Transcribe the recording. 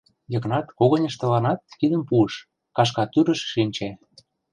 — Йыгнат когыньыштланат кидым пуыш, кашка тӱрыш шинче.